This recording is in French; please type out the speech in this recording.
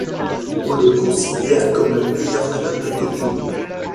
On le considère comme le meilleur club de Tokyo.